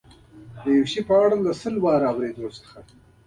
د یو شي په اړه د سل ځلو اورېدلو څخه.